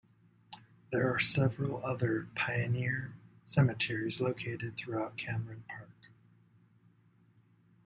There are several other "pioneer" cemeteries located throughout Cameron Park.